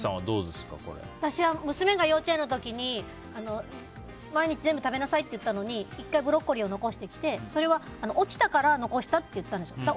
私は娘が幼稚園の時に毎日全部食べなさいって言ったのに１回ブロッコリーを残してそれは落ちたから残したって言ったんですよ。